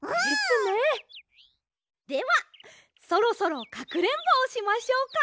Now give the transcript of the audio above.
ではそろそろかくれんぼしましょうか。